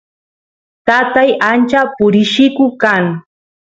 tatay ancha purilliku kan